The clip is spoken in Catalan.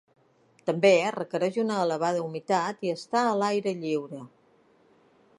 També requereix una elevada humitat i estar a l'aire lliure.